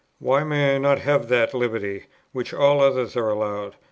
Why may I not have that liberty which all others are allowed?